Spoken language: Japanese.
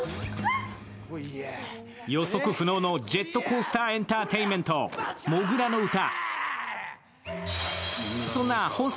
予測不能のジェットコースターエンターテインメント、「土竜の唄」。